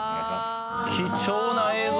貴重な映像！